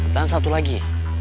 dan satu lagi